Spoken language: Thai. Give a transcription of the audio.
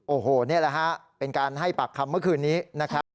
โอ้โหนี่แหละฮะเป็นการให้ปากคำเมื่อคืนนี้นะครับ